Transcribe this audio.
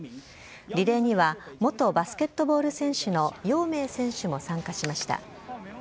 リレーには、元バスケットボール選手の姚明選手も参加しました。